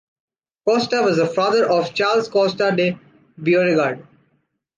Costa was the father of Charles Costa de Beauregard.